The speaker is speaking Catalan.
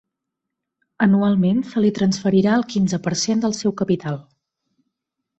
Anualment se li transferirà el quinze per cent del seu capital.